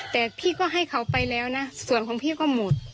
แต่พี่ก็ให้เขาไปแล้วนะส่วนของพี่ก็หมด